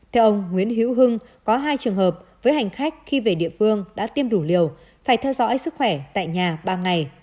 theo ông nguyễn hữu hưng có hai trường hợp với hành khách khi về địa phương đã tiêm đủ liều phải theo dõi sức khỏe tại nhà ba ngày